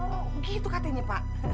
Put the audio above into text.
begitu katanya pak